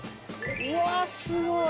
うわすごい！